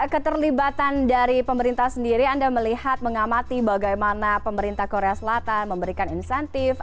keterlibatan dari pemerintah sendiri anda melihat mengamati bagaimana pemerintah korea selatan memberikan insentif